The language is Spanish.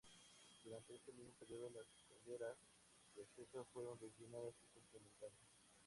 Durante este mismo periodo las escaleras de acceso fueron rellenadas y completadas.